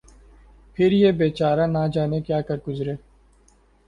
پھر یہ بے چارہ نہ جانے کیا کر گزرے